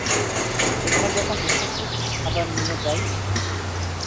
এখানে যখন এসেছি কিছু খাবার নিয়ে যাই!